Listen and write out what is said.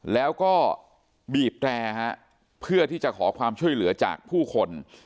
แล้วก็บีบแตรเพื่อที่จะขอความช่วยเหลือจากผู้คน